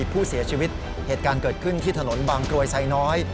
ผู้เสียชีวิตเหตุการณ์เกิดขึ้นที่ถนนบางกรวยไซน้อย